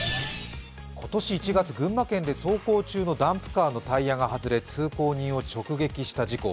今年１月、群馬県で走行中のダンプカーのタイヤが外れ、通行人を直撃した事故。